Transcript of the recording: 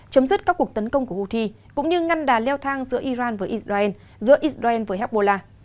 chấm dứt các cuộc tấn công của houthi cũng như ngăn đà leo thang giữa iran với israel giữa israel với hezbollah